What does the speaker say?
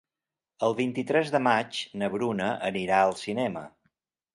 El vint-i-tres de maig na Bruna anirà al cinema.